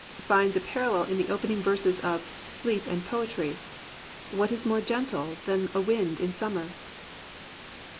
'* finds a parallel in the opening verses of " Sleep and Poetry"— "What is more gentle than a wind in summer?"